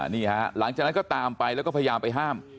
นี่ฮะหลังจากนั้นก็ตามไปแล้วก็พยายามไปห้าม